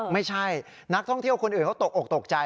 ไม่ใช่นักท่องเที่ยวคนอื่นเขาตกออกตกใจ